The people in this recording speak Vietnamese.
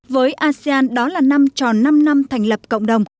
với asean đó là năm tròn năm năm thành lập cộng đồng